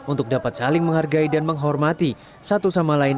untuk dapat saling menghargai dan menghormati satu sama lain